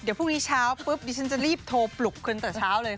เดี๋ยวพรุ่งนี้เช้าปุ๊บดิฉันจะรีบโทรปลุกขึ้นแต่เช้าเลย